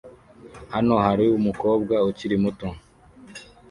Hano harumukobwa ukiri muto